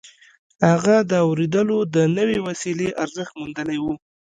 هغه د اورېدلو د نوې وسيلې ارزښت موندلی و.